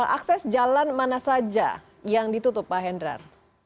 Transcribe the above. akses jalan mana saja yang ditutup pak hendrar